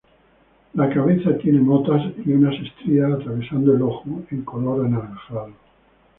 La cabeza tiene motas y unas estrías atravesando el ojo, en color anaranjado.